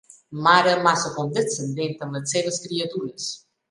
Mare massa condescendent amb les seves criatures.